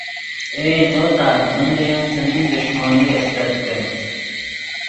ائے نو تات من لے ین څیمین دݰمونی استت کہ